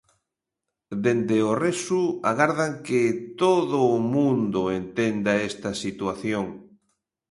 Dende o Resu agardan que "todo o mundo entenda esta situación".